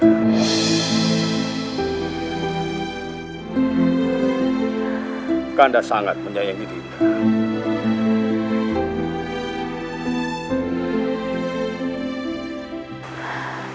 kak kandas sangat menyayangi dinda